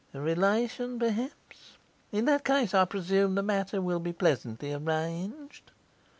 A relation, perhaps? In that case, I presume, the matter will be pleasantly arranged.